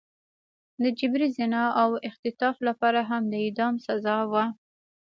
د جبري زنا او اختطاف لپاره هم د اعدام سزا وه.